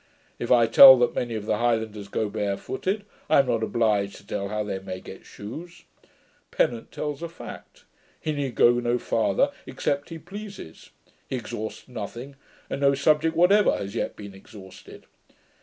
If I tell that many of the highlanders go bare footed, I am not obliged to tell how they may get shoes. Pennant tells a fact. He need go no farther, except he pleases. He exhausts nothing; and no subject whatever has yet been exhausted.